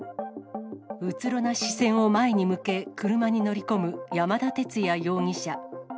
うつろな視線を前に向け、車に乗り込む山田哲也容疑者。